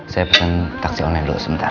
saya pesan taksi online dulu sebentar